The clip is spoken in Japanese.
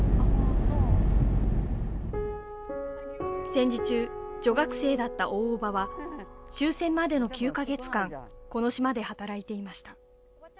戦時中、女学生だった大伯母は、終戦までの９カ月間この島で働いていました。